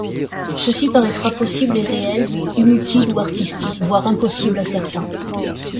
Ceci paraitra possible et réel mais inutile ou artistique, voire impossible à certains.